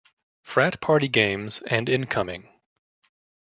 Frat Party Games" and "Incoming!